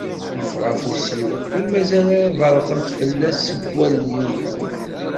Yeffeɣ afus-iw, ur mazal ad berqent fell-as wallen-iw.